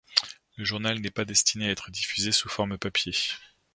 Le journal n'est pas destiné à être diffusé sous forme papier.